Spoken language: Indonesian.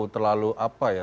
terlalu apa ya